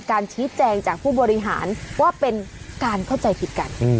การชี้แจงจากผู้บริหารว่าเป็นการเข้าใจผิดกัน